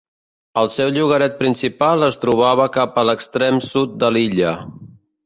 El seu llogaret principal es trobava cap a l'extrem sud de l'illa.